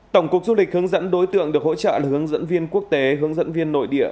tổng cục du lịch hướng dẫn đối tượng được hỗ trợ là hướng dẫn viên quốc tế hướng dẫn viên nội địa